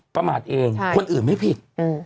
ประมาทเองคนอื่นไม่ผิด